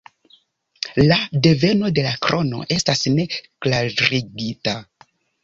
La deveno de la krono estas ne klarigita.